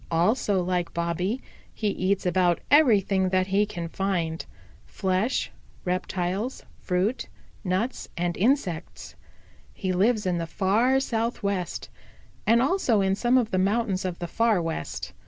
Also, like Bobby, he eats about everything that he can find flesh, reptiles, fruit, nuts and insects. He lives in the Far Southwest, and also in some of the mountains of the Far West.